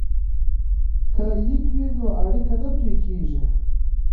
که لیک وي نو اړیکه نه پرې کیږي.